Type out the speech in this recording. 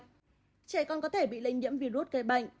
trẻ còn có thể bị lây nhiễm virus gây bệnh